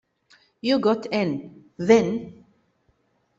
You got in, then?